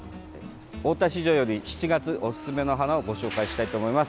大田市場より７月おすすめの花をご紹介したいと思います。